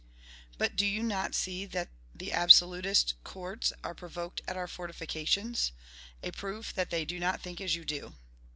"But do you not see that the absolutist courts are provoked at our fortifications? a proof that they do not think as you do."